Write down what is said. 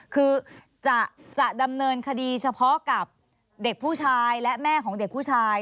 คือจะดำเนินคดีเฉพาะกับเด็กผู้ชายและแม่ของเด็กผู้ชาย